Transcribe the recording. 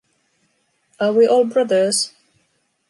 Are we all brothers?